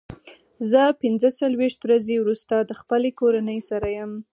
زه پنځه څلوېښت ورځې وروسته د خپلې کورنۍ سره یم.